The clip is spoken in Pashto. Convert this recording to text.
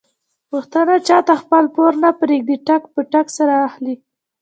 پښتانه چاته خپل پور نه پرېږدي ټک په ټک سره اخلي.